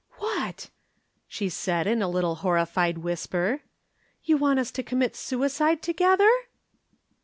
"What!" she said in a little horrified whisper. "You want us to commit suicide together?"